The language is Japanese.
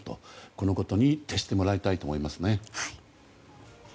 このことに徹してもらいたいと思いますね。